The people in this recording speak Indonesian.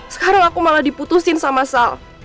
sekarang aku malah diputusin sama sal